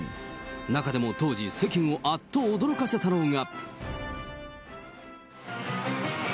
中でも当時、世間をあっと驚かせたのが。